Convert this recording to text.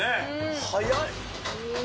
早い！